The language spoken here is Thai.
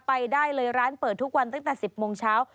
ไปได้เลยร้านเปิดทุกวันตั้งแต่๑๐โมงเช้า